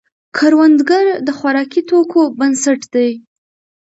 کروندګر د خوراکي توکو بنسټ دی